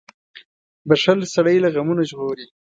• بښل سړی له غمونو ژغوري.